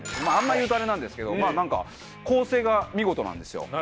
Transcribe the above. まぁあんまり言うとあれなんですけど構成が見事なんですよ。